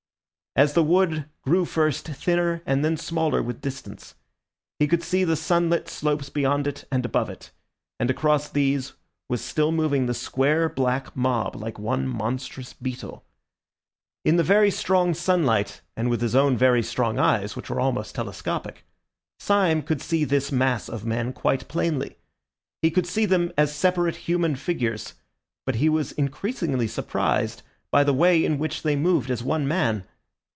As the wood grew first thinner and then smaller with distance, he could see the sunlit slopes beyond it and above it; and across these was still moving the square black mob like one monstrous beetle. In the very strong sunlight and with his own very strong eyes, which were almost telescopic, Syme could see this mass of men quite plainly. He could see them as separate human figures; but he was increasingly surprised by the way in which they moved as one man.